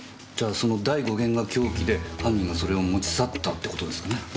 じゃあその第５弦が凶器で犯人がそれを持ち去ったって事ですかね？